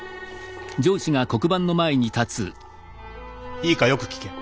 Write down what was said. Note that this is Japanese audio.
いいかよく聞け。